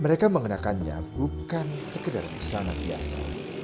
mereka mengenakannya bukan sekedar busana biasa